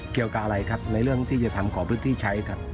เกี่ยวกับอะไรครับในเรื่องที่จะทำขอพื้นที่ใช้ครับ